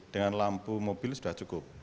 dengan lampu mobil sudah cukup